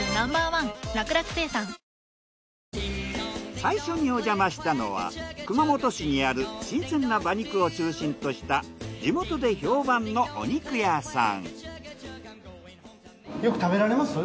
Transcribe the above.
最初におじゃましたのは熊本市にある新鮮な馬肉を中心とした地元で評判のお肉屋さん。